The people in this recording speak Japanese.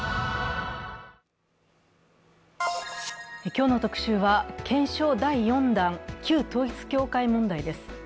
今日の特集は、検証第４弾、旧統一教会問題です。